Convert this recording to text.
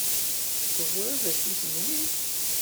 Teẓriḍ d acu-ten wi?